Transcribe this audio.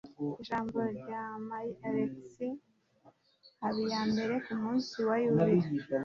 ijambo rya myr alexix habiyambere ku munsi wa yubile